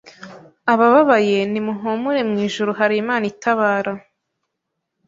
Abababaye nimuhumure mu ijuru hari Imana itabara